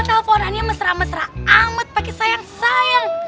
teleponannya mesra mesra amat pakai sayang sayang